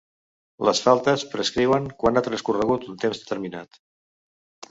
Les faltes prescriuen quan ha transcorregut un temps determinat.